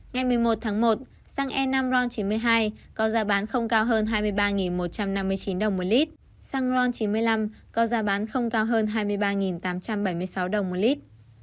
ngày một mươi một tháng một xăng e năm ron chín mươi hai có giá bán không cao hơn hai mươi ba một trăm năm mươi chín đồng một lít xăng ron chín mươi năm có giá bán không cao hơn hai mươi ba tám trăm bảy mươi sáu đồng một lít